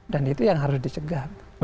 dan itu yang harus disegah